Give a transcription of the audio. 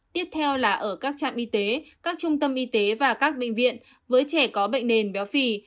tiếp theo là ở các trạm y tế các trung tâm y tế và các bệnh viện với trẻ có bệnh nền béo phì